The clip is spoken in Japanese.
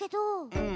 うん。